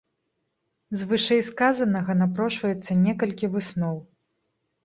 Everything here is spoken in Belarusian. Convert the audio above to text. З вышэйсказанага напрошваецца некалькі высноў.